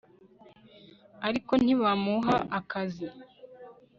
ariko ntibamuha akazi